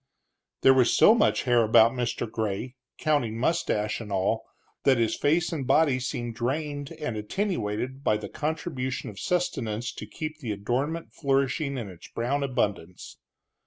There was so much hair about Mr. Gray, counting mustache and all, that his face and body seemed drained and attenuated by the contribution of sustenance to keep the adornment flourishing in its brown abundance.